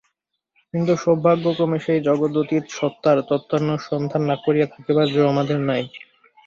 কিন্তু সৌভাগ্যক্রমে সেই জগদতীত সত্তার তত্ত্বানুসন্ধান না করিয়া থাকিবার যো আমাদের নাই।